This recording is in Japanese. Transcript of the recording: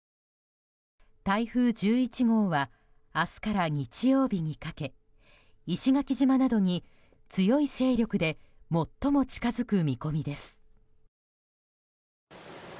台風１１号は明日から日曜日にかけ石垣島などに強い勢力で最も近づく見込みです。